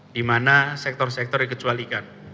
di mana sektor sektor dikecualikan